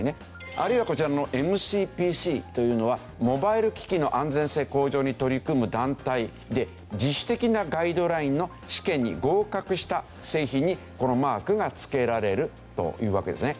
あるいはこちらのＭＣＰＣというのはモバイル機器の安全性向上に取り組む団体で自主的なガイドラインの試験に合格した製品にこのマークが付けられるというわけですね。